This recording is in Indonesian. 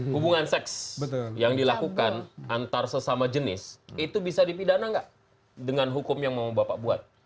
hubungan seks yang dilakukan antar sesama jenis itu bisa dipidana nggak dengan hukum yang mau bapak buat